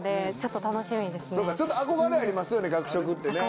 ちょっと憧れありますよね学食ってね。